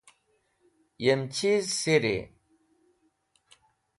Yem chiz siri?